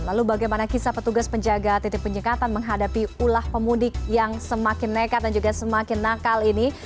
lalu bagaimana kisah petugas penjaga titik penyekatan menghadapi ulah pemudik yang semakin nekat dan juga semakin nakal ini